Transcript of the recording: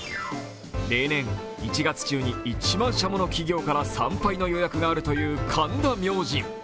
例年、１月中に１万社もの企業の参拝の予約があるという神田明神。